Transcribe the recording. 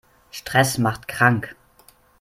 Stress macht krank.